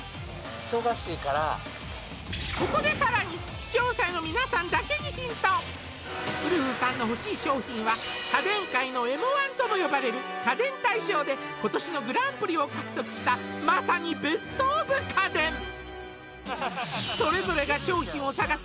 忙しいからここでさらにウルフさんの欲しい商品は家電界のＭ−１とも呼ばれる家電大賞で今年のグランプリを獲得したまさにベスト・オブ・家電それぞれが商品を探す